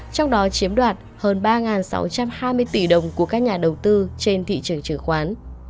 trong đó chiếm đoạt hơn ba sáu trăm hai mươi tỷ đồng của các nhà đầu tư trên thị trường chứng khoán